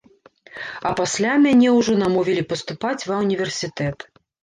А пасля мяне ўжо намовілі паступаць ва ўніверсітэт.